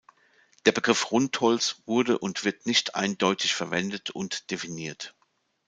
Der Begriff Rundholz wurde und wird nicht eindeutig verwendet und definiert.